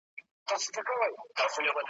په خاص ډول په پخواني خراسان يا اوسني افغانستان